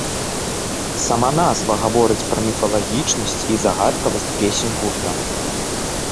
Сама назва гаворыць пра міфалагічнасць і загадкавасць песень гурта.